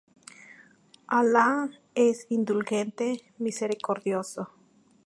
Alá es indulgente, misericordioso.